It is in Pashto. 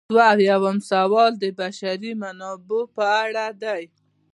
دوه اویایم سوال د بشري منابعو په اړه دی.